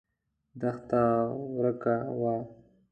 دښته ورکه وه.